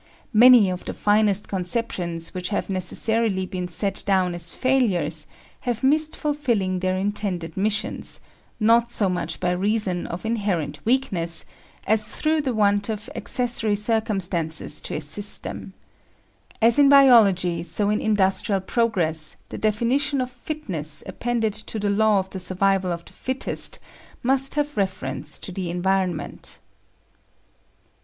Many of the finest conceptions which have necessarily been set down as failures have missed fulfilling their intended missions, not so much by reason of inherent weakness, as through the want of accessory circumstances to assist them. As in biology, so in industrial progress the definition of fitness appended to the law of the survival of the fittest must have reference to the environment.